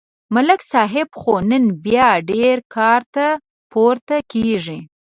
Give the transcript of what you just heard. ملک صاحب خو نن بیا ډېر کار ته پورته کېږي